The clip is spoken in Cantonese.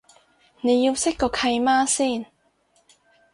你要識個契媽先